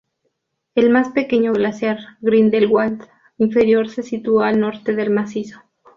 El más pequeño glaciar Grindelwald inferior se sitúa al norte del macizo.